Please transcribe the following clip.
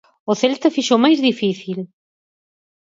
O Celta fixo o máis difícil.